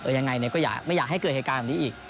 ยังไงก็ไม่อยากให้เกิดเหตุการณ์แบบนี้อีก